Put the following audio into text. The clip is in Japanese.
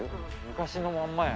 昔のまんまや。